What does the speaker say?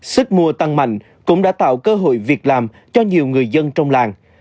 sức mua tăng mạnh cũng đã tạo cơ hội việc làm cho nhiều người dân trong làng